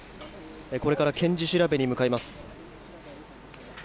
これから検事調べに向かいます。